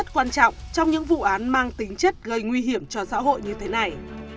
rất quan trọng trong những vụ án mang tính chất gây nguy hiểm cho xã hội như thế này